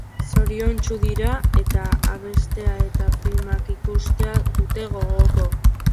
Zoriontsu dira, eta abestea eta filmak ikustea dute gogoko.